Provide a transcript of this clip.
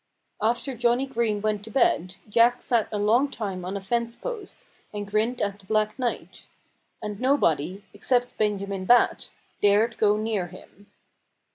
After Johnnie Green went to bed Jack sat a long time on a fence post and grinned at the black night. And nobody except Benjamin Bat dared go near him.